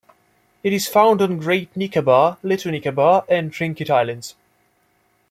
It is found on Great Nicobar, Little Nicobar, and Trinket islands.